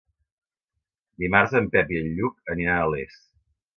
Dimarts en Pep i en Lluc aniran a Les.